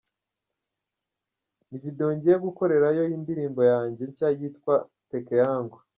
Ni video ngiye gukorerayo y’indirimbo yanjye nshya yitwa ‘Peke yangu’.